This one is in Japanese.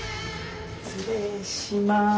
失礼します。